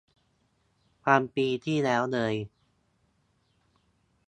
พันปีที่แล้วเลย